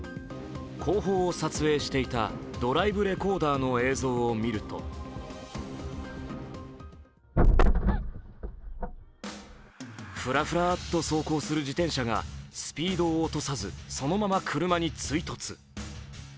後方を撮影していたドライブレコーダーの映像を見るとふらふらーっと走行する自転車がスピードを落とさず、そのまま車に追突。